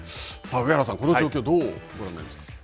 上原さん、この状況をどうご覧になりますか。